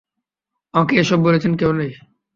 আমাকে এ সব বলছেন কেন তাই?